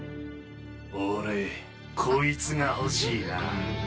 俺こいつが欲しいな。